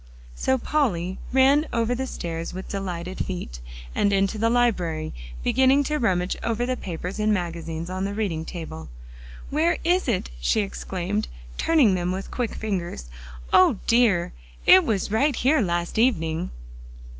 So Polly ran over the stairs with delighted feet, and into the library, beginning to rummage over the papers and magazines on the reading table. "Where is it?" she exclaimed, turning them with quick fingers. "O dear! it was right here last evening."